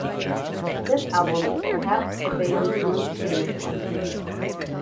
This album is perhaps the band's most famous one.